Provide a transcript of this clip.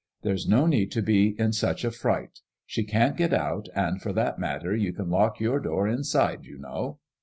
There's no need to be in such a fright. She can't get out, and for that matter you can lock your door inside, you know."